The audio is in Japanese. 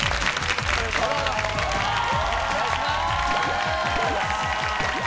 お願いします。